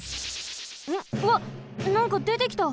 うわっなんかでてきた。